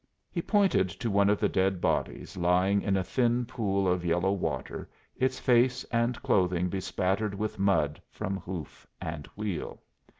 He pointed to one of the dead bodies, lying in a thin pool of yellow water, its face and clothing bespattered with mud from hoof and wheel.